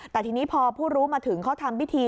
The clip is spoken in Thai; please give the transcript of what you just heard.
แต่ทีนี้พอผู้รู้มาถึงเขาทำพิธี